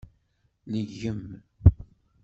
Leggem.